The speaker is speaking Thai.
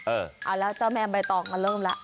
เอาแล้วเจ้าแม่ใบตองมันเริ่มแล้ว